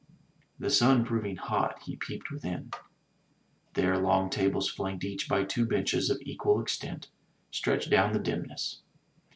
The Sim proving hot, he peeped within. There long tables flanked each by two benches of equal extent, stretched down the dimness.